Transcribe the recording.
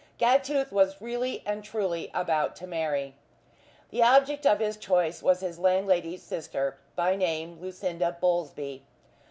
Gagtooth was really and truly about to marry. The object of his choice was his landlady's sister, by name Lucinda Bowlsby.